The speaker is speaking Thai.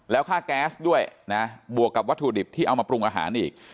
แล้วค่าแก๊สด้วยนะบวกกับวัตถุดิบที่เอามาปรุงอาหารอีก